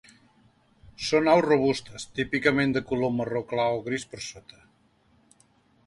Són aus robustes, típicament de color marró clar o gris per sota.